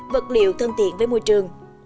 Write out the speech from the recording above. vật liệu thân thiện với môi trường